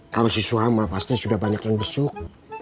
kalau siswa emak pasti sudah banyak yang besuk